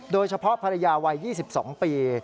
โดยเฉพาะภรรยาวัย๒๒ปี